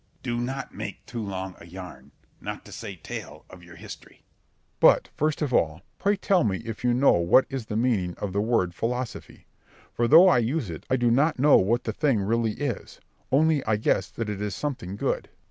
Do not make too long a yarn—not to say tail of your history. Berg. But, first of all, pray tell me if you know what is the meaning of the word philosophy? For though I use it, I do not know what the thing really is, only I guess that it is something good.